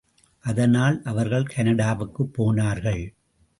அதனால் அவர்கள் கனடாவுக்குப் போனார்கள்.